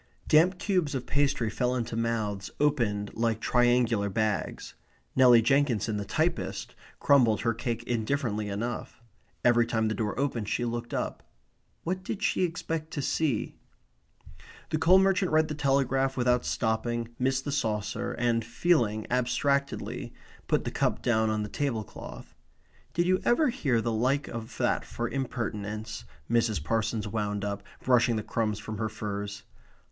Damp cubes of pastry fell into mouths opened like triangular bags. Nelly Jenkinson, the typist, crumbled her cake indifferently enough. Every time the door opened she looked up. What did she expect to see? The coal merchant read the Telegraph without stopping, missed the saucer, and, feeling abstractedly, put the cup down on the table cloth. "Did you ever hear the like of that for impertinence?" Mrs. Parsons wound up, brushing the crumbs from her furs.